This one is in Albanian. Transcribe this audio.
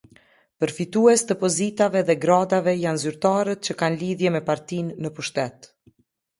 Përfitues të pozitave dhe gradave janë zyrtarët që kanë lidhje me partinë në pushtet.